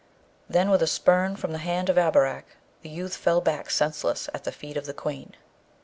Then, with a spurn from the hand of Abarak, the youth fell back senseless at the feet of the Queen.